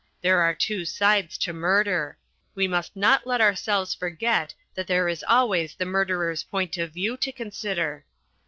There are two sides to murder. We must not let ourselves forget that there is always the murderer's point of view to consider."